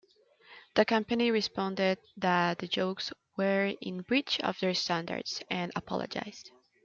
The company responded that the jokes were in breach of their standards, and apologised.